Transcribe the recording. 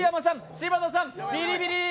柴田さん、ビリビリー！